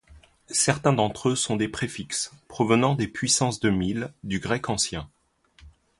Certains d'entre eux sont des préfixes provenant des puissances de mille du grec ancien.